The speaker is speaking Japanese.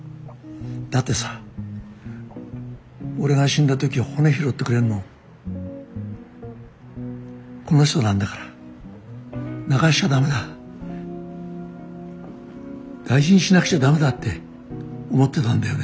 だってさ俺が死んだ時骨拾ってくれるのこの人なんだから泣かせちゃダメだ大事にしなくちゃダメだって思ってたんだよね。